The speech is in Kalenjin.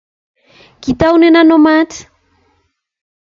Kitaunen ano maat?